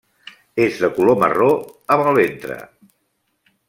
És de color marró, amb el ventre.